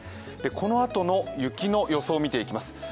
このあとの雪の予想を見ていきます。